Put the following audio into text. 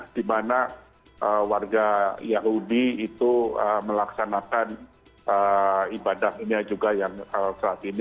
di mana warga yahudi itu melaksanakan ibadahnya juga yang saat ini